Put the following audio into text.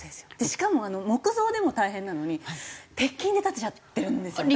しかも木造でも大変なのに鉄筋で建てちゃってるんですよ。